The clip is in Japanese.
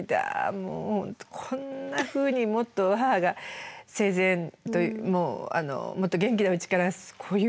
もう本当こんなふうにもっと母が生前もうもっと元気なうちからこういう娘